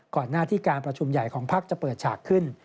ก่อนหน้าที่การประชุมใหญ่ของพักจะเปิดฉากขึ้น